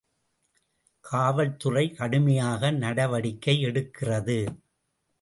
காவல் துறை கடுமையாக நடவடிக்கை எடுக்கிறது.